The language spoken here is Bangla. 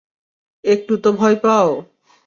একটু তো ভয় পাও!